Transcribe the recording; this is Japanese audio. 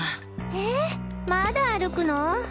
えまだ歩くの？